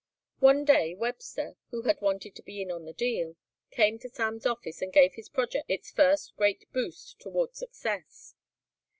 One day Webster, who had wanted to be in on the deal, came to Sam's office and gave his project its first great boost toward success.